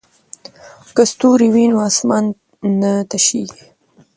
که ستوري وي نو اسمان نه تشیږي.